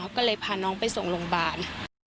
เขาก็เลยพาน้องไปส่งโรงบาล